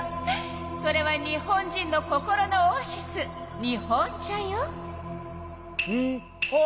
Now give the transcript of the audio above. それは日本人の心のオアシス日本茶よ。